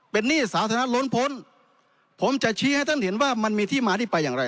เป็นหนี้สาธารณะล้นพ้นผมจะชี้ให้ท่านเห็นว่ามันมีที่มาที่ไปอย่างไร